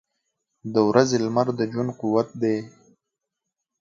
• د ورځې لمر د ژوند قوت دی.